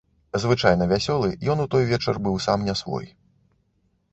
Звычайна вясёлы, ён у той вечар быў сам не свой.